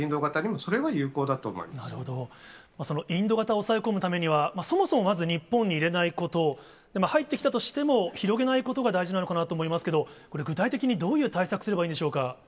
そのインド型を抑え込むためには、そもそも、まず日本に入れないこと、入ってきたとしても、広げないことが大事なのかなと思いますけども、これ、具体的にどういう対策すればいいんでしょうか。